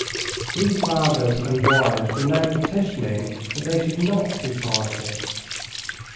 These fathers and wives were now petitioning that they should not be parted.